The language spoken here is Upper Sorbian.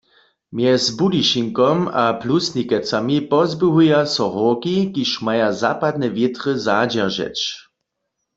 Mjez Budyšinkom a Plusnikecami pozběhuja so hórki, kiž maja zapadne wětry zadźeržeć.